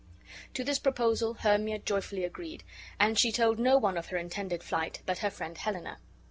To this proposal Hermia joyfully agreed; and she told no one of her intended flight but her friend Helena.